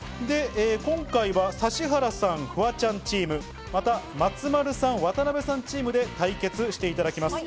指原さん・フワちゃんチーム、松丸さん・渡邊さんチームで対決していただきます。